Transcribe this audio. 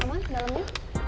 aman ke dalamnya